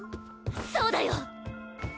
そうだよ。